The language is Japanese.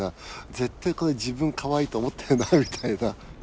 絶対これ自分かわいいと思ってるなみたいな。